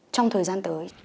trong thời gian tới